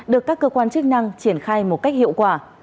được các cơ quan chức năng triển khai một cách hiệu quả